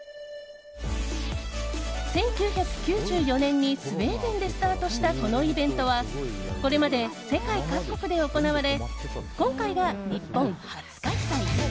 １９９４年にスウェーデンでスタートした、このイベントはこれまで世界各国で行われ今回が日本初開催。